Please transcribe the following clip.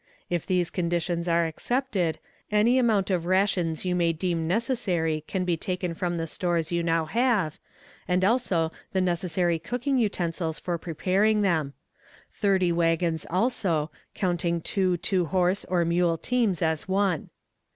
If these conditions are accepted, any amount of rations you may deem necessary can be taken from the stores you now have, and also the necessary cooking utensils for preparing them; thirty wagons also, counting two two horse or mule teams as one.